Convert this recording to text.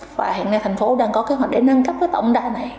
và hiện nay thành phố đang có kế hoạch để nâng cấp tổng đài này